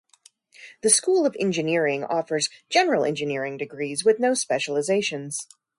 The School of Engineering offers general engineering degrees with no specializations.